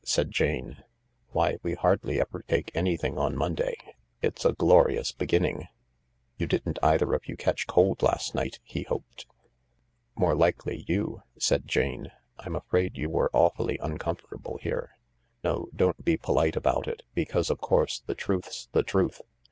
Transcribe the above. " said Jane. " Why, we hardly ever take anything on Monday— it's a glorious beginning I "" You didn't either of you catch cold last night ?" he hoped. " More likely you," said Jane. " I'm afraid you were awfully uncomfortable here. No, don't be polite about it — because, of course, the truth's the truth.